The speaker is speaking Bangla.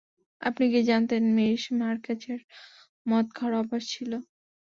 আপনি কী জানতেন মিস মার্কেজের মদ খাওয়ার অভ্যাস ছিল?